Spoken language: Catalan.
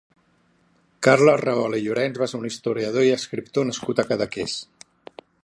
Carles Rahola i Llorens va ser un historiador i escriptor nascut a Cadaqués.